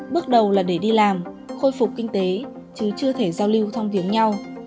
bước đầu là để đi làm khôi phục kinh tế chứ chưa thể giao lưu thông viếng nhau